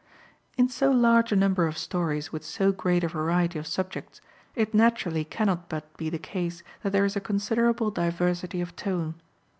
In so large a number of stories with so great a variety of subjects, it naturally cannot but be the case that there is a considerable diversity of tone.